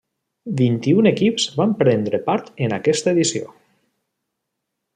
Vint-i-un equips van prendre part en aquesta edició.